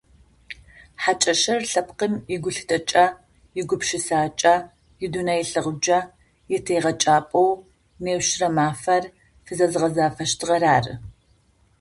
Хьакӏэщыр лъэпкъым игулъытэкӏэ, игупшысакӏэ, идунэелъэгъукӏэ итегъэкӏапӏэу неущрэ мафэр фызэзгъэзафэщтыгъэр ары.